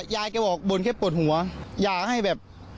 ยายแกบอกบ่นแค่ปวดหัวอยากให้แบบ